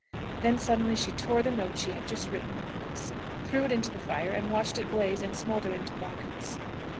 Then suddenly she tore the note she had just written across, threw it into the fire, and watched it blaze and smoulder into blackness.